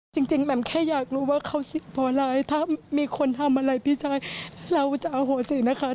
จริงแบบแค่อยากรู้ว่าเขาเสียพ่อร้ายถ้ามีคนทำอะไรพี่ชายเราจะโหดสินะคะ